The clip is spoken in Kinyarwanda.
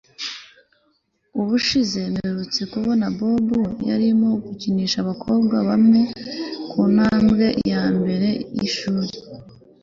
Ubushize mperutse kubona Bobo yarimo akinisha abakobwa bamwe kuntambwe yambere yishuri